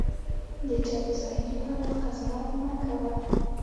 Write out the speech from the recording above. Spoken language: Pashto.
د چا په ظاهري حالت قضاوت مه کوه.